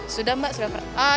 sudah mbak sudah